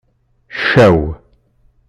Ccaw.